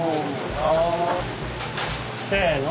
せの。